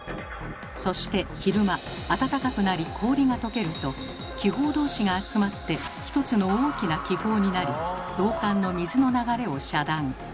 そして昼間暖かくなり氷がとけると気泡同士が集まって１つの大きな気泡になり導管の水の流れを遮断。